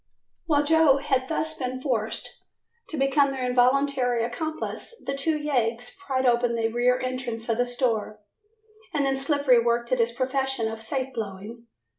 While Joe had thus been forced to become their involuntary accomplice, the two yeggs pried open the rear entrance of the store, and then Slippery worked at his profession of safe blowing.